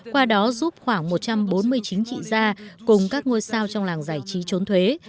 qua đó giúp khoảng một trăm bốn mươi chín chị gia cùng các ngôi sao trong làng giải trí chốn thuế